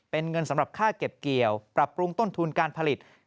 เป็นเงินสำหรับค่าเก็บเกี่ยวปรับปรุงต้นทุนการผลิต